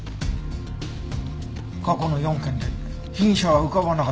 過去の４件で被疑者は浮かばなかったんですか？